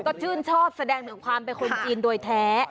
ก็ชื่นชอบแสดงถึงความเป็นคนจีนโดยแท้